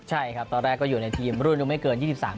ใช่ครับตอนแรกก็อยู่ในทีมรุ่นไม่เกิน๒๓ปีนะครับ